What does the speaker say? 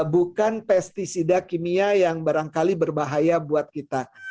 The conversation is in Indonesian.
bukan pesticida kimia yang barangkali berbahaya buat kita